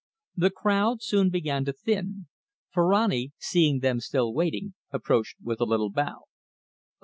The crowd soon began to thin. Ferrani, seeing them still waiting, approached with a little bow.